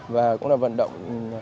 và cũng là vận động